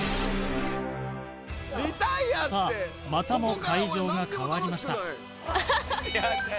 さあまたも会場が変わりました